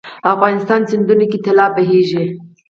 افغانستان سیندونو کې طلا بهیږي 😱